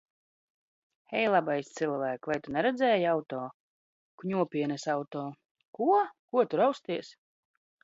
Hei, labais cilvēk! Vai tu neredzēji auto? Kņopienes auto. Ko? Ko tu rausties?